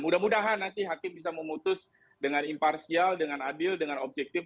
mudah mudahan nanti hakim bisa memutus dengan imparsial dengan adil dengan objektif